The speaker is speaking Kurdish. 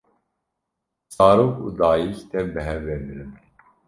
zarok û dayîk tev bi hev re mirin